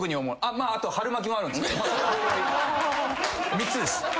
３つです。